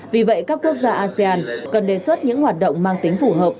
vì vậy các quốc gia asean cần đề xuất những hoạt động mang tính phù hợp